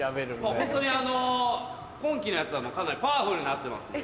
ホントに今期のやつはかなりパワフルになってますので。